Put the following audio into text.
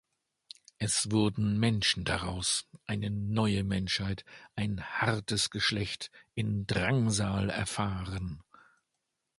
Es wurden Menschen daraus, eine neue Menschheit, „ein hartes Geschlecht, in Drangsal erfahren“.